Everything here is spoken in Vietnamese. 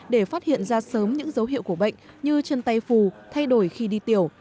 để phát hiện ra sớm những dấu hiệu của bệnh như chân tay phù thay đổi khi đi tiểu